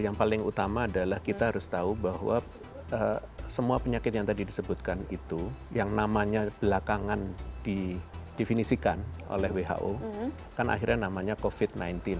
yang paling utama adalah kita harus tahu bahwa semua penyakit yang tadi disebutkan itu yang namanya belakangan di definisikan oleh who kan akhirnya namanya covid sembilan belas